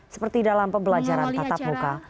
seperti dalam pembelajaran tatap muka